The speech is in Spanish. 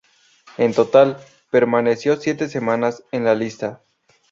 En total, permaneció siete semanas en la lista.